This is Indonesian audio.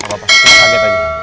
gak apa apa jangan kaget aja